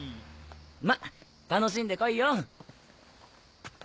まっ楽しんで来いよ。